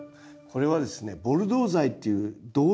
これはですねボルドー剤っていう銅剤。